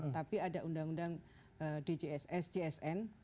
tapi ada undang undang sgsn